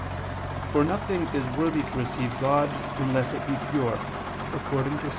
For nothing is worthy to receive God unless it be pure, according to Ps.